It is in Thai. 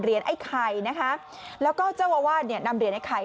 เรียนไอ้ไข่นะคะแล้วก็เจ้าวาดนำเรียนไอ้ไข่